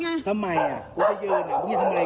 มึงเข้ามาทำร้ายข้าวของบ้าน